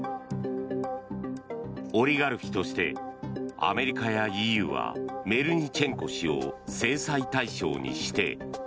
オリガルヒとしてアメリカやＥＵはメルニチェンコ氏を制裁対象に指定。